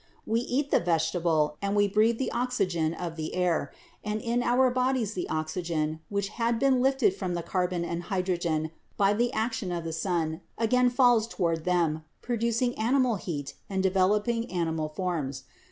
We eat the vegetable, and we breathe the oxygen of the air; and in our bodies the oxygen, which had been lifted from the carbon and hydrogen by the action of the sun, again falls toward them, producing animal heat and developing animal forms.